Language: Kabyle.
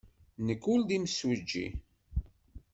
Nekk ur d imsujji.